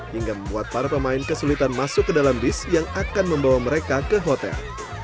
hingga membuat para pemain kesulitan masuk ke dalam bis yang akan membawa mereka ke hotel